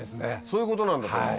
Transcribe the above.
そういうことなんだと思う。